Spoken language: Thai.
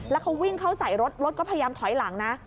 แล้วเขาวิ่งเข้าใส่รถรถก็พยายามถอยหลังนะ